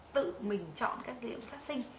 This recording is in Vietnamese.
tự mình chọn các liệu phát sinh